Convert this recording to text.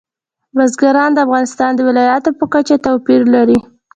بزګان د افغانستان د ولایاتو په کچه توپیر لري.